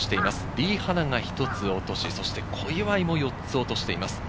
リ・ハナが１つ落とし、そして小祝も４つ落としています。